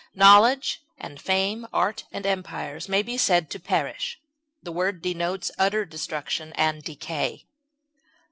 Knowledge and fame, art and empires, may be said to perish; the word denotes utter destruction and decay.